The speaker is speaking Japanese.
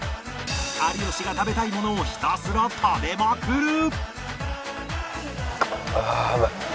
有吉が食べたいものをひたすら食べまくる！